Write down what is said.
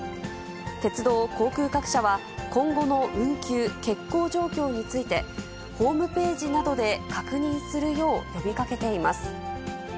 鉄道、航空各社は、今後の運休、欠航状況について、ホームページなどで確認するよう呼びかけています。